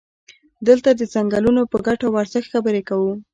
دلته د څنګلونو په ګټو او ارزښت خبرې کوو.